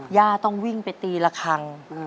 ย่าต้องวิ่งไปตีละครั้ง